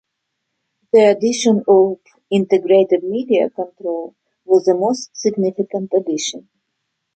The addition of integrated media control was the most significant addition.